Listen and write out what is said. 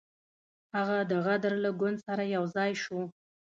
هغه د غدر له ګوند سره یو ځای شو.